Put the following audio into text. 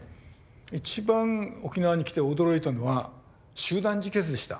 一番沖縄に来て驚いたのは集団自決でした。